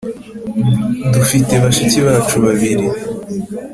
dufite bashiki bacu babiri.